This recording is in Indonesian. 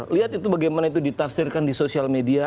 lihat itu bagaimana itu ditafsirkan di sosial media